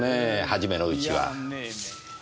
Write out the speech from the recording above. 「初めのうちは」？